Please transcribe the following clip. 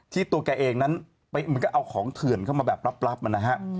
ตัวแกเองนั้นมันก็เอาของเถื่อนเข้ามาแบบรับนะฮะ